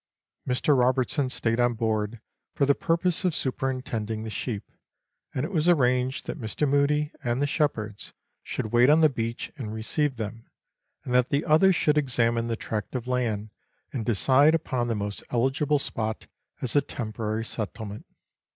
Mr. Robertson stayed on board for the purpose of superin tending the sheep, and it was arranged that Mr. Mudie and the shepherds should wait on the beach and receive them, and that the others should examine the tract of land, and decide upon the most eligible spot as a temporary settlement.